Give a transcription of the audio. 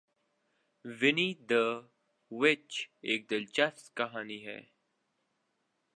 ونی داوچ ایک دلچسپ کہانی ہے۔